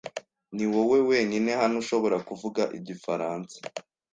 Niwowe wenyine hano ushobora kuvuga igifaransa.